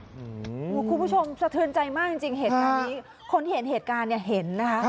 หุ้ทุกคุณผู้ชมสะเทินใจมากจริงคนเห็นเหตุการณ์เห็นนะ